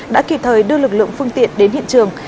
đã kịp thời đưa lực lượng phương tiện đến hiện trường